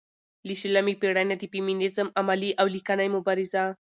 له شلمې پېړۍ نه د فيمينزم عملي او ليکنۍ مبارزه